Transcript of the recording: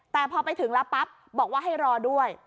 แต่พอไปถึงแล้วปั๊บบอกว่าให้รอด้วย